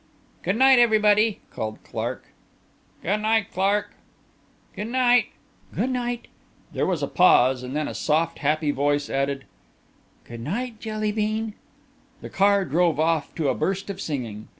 "Good night everybody," called Clark. "Good night, Clark." "Good night." There was a pause, and then a soft, happy voice added, "Good night, Jelly bean." The car drove off to a burst of singing.